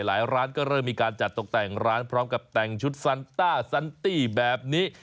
ร้านก็เริ่มมีการจัดตกแต่งร้านพร้อมกับแต่งชุดซันต้าซันตี้แบบนี้